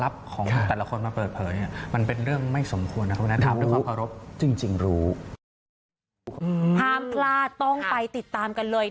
พร้อมทราบต้องไปติดตามกันเลย